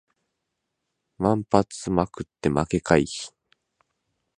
万発捲って負け回避